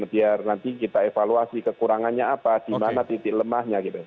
biar nanti kita evaluasi kekurangannya apa di mana titik lemahnya gitu